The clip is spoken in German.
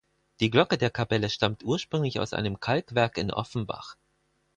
Die Glocke der Kapelle stammt ursprünglich aus einem Kalkwerk in Offenbach.